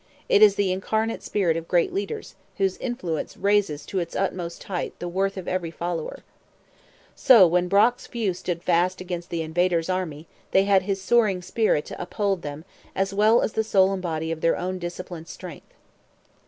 It is the incarnate spirit of great leaders, whose influence raises to its utmost height the worth of every follower. So when Brock's few stood fast against the invader's many, they had his soaring spirit to uphold them as well as the soul and body of their own disciplined strength.